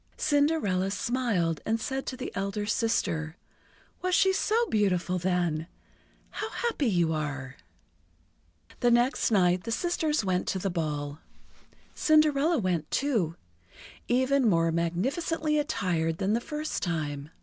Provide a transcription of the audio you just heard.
Cinderella smiled and said to the elder sister: "Was she so beautiful then! How happy you are!" The next night the sisters went to the ball. Cinderella went, too, even more magnificently attired than the first time.